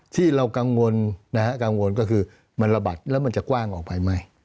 ที่เรากังวลนะฮะกังวลก็คือมันระบัดแล้วมันจะกว้างออกไปไหม